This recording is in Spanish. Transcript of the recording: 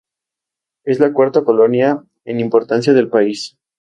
Es la cuarta colonia en importancia del país.